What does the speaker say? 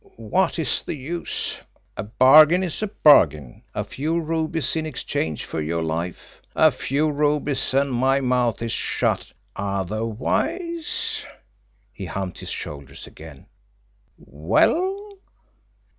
What is the use? A bargain is a bargain. A few rubies in exchange for your life. A few rubies and my mouth is shut. Otherwise" he humped his shoulders again. "Well?"